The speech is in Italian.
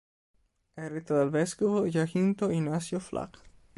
È retta dal vescovo Jacinto Inácio Flach.